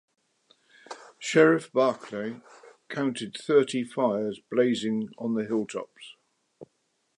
Sheriff Barclay counted thirty fires blazing on the hilltops.